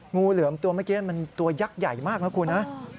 งูเหลือมตัวเมื่อกี้มันตัวยักษ์ใหญ่มากนะคุณนะ